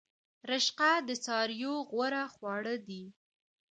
رشقه د څارویو غوره خواړه دي